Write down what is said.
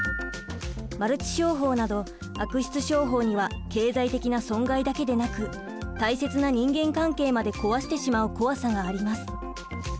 マルチ商法など悪質商法には経済的な損害だけでなく大切な人間関係まで壊してしまう怖さがあります。